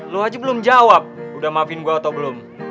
lo aja belum jawab udah maafin gue atau belum